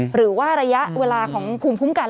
หรือว่าระยะเวลาของภูมิคุ้มกัน